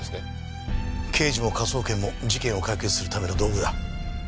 刑事も科捜研も事件を解決するための道具だ。